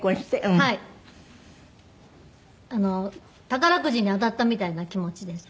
宝くじに当たったみたいな気持ちです。